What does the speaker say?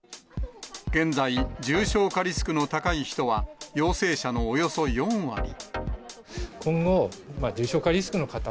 現在、重症化リスクの高い人は陽性者のおよそ４割。